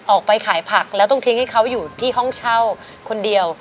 ออกไปขายผักแล้วต้องทิ้งให้เขาอยู่ที่ห้องเช่าคนเดียว